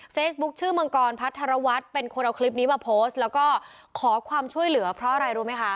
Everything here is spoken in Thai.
ชื่อมังกรพัทรวัฒน์เป็นคนเอาคลิปนี้มาโพสต์แล้วก็ขอความช่วยเหลือเพราะอะไรรู้ไหมคะ